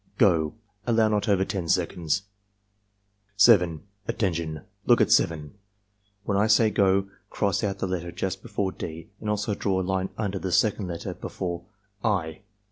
— Go!" (Allow not over 10 seconds.) 7. "Attention! Look at 7. When I say 'go' cross oiU the letter just before D and also draw a line under the second letter before I.